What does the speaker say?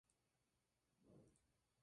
Jugo como colegial en Wake Forest.